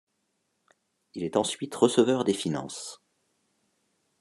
Il est ensuite receveur des finances.